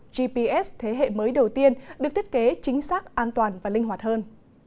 gps thế hệ mới đầu tiên được thiết kế chính xác an toàn và linh hoạt hơn